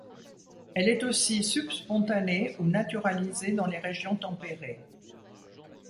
Elle est aussi subspontanée ou naturalisée dans les régions tempérées.